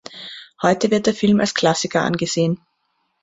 Heute wird der Film als Klassiker angesehen.